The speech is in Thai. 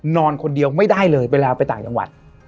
นอนคนเดียวไม่ได้เลยเวลาไปต่างจังหวัด